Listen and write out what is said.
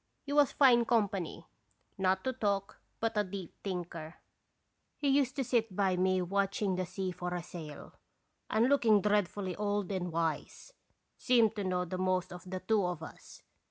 He was fine company, not to talk, but a deep thinker ; he used to sit by me watching the sea for a sail, and look dreadfully old and wise seemed to know the most of the two of us.